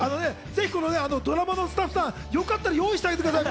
ぜひドラマのスタッフさん、よかったら用意してあげてください。